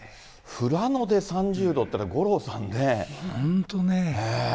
富良野で３０度っていうのは、五郎さんね。